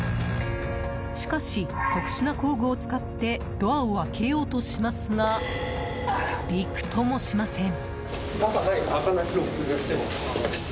しかし、特殊な工具を使ってドアを開けようとしますがびくともしません。